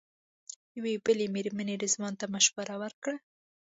یوې بلې مېرمنې رضوان ته مشوره ورکړه.